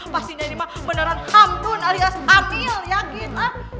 pastinya ini mak beneran hamdun alias amil yakin